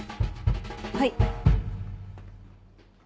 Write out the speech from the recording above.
はい。